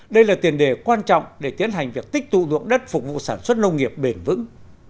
đây là tiền đề quan trọng để tiến hành việc tích tụ dụng đất phục vụ sản xuất nông nghiệp bền vững